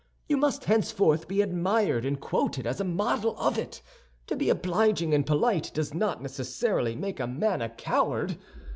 You must henceforth be admired and quoted as a model of it. To be obliging and polite does not necessarily make a man a coward.